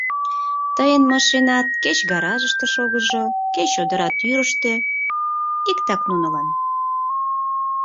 Тыйын машинат кеч гаражыште шогыжо, кеч чодыра тӱрыштӧ — иктак нунылан.